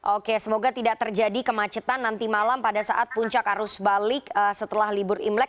oke semoga tidak terjadi kemacetan nanti malam pada saat puncak arus balik setelah libur imlek